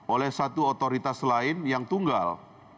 oleh satu otoritas lain yang tunggal